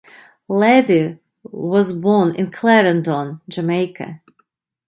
Levy was born in Clarendon, Jamaica.